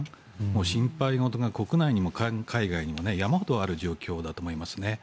心配事が国内にも海外にも山ほどある状況だと思いますね。